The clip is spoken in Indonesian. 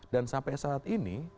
dan sampai saat ini